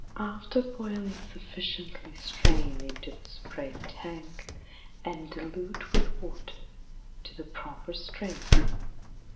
After boiling sufficiently strain into the spray tank and dilute with water to the proper strength.